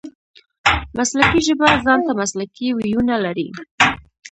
مسلکي ژبه ځان ته مسلکي وییونه لري.